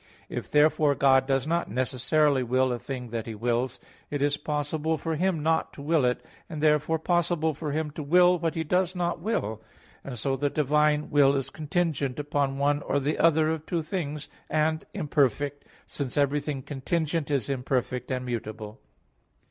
If, therefore, God does not necessarily will a thing that He wills, it is possible for Him not to will it, and therefore possible for Him to will what He does not will. And so the divine will is contingent upon one or the other of two things, and imperfect, since everything contingent is imperfect and mutable.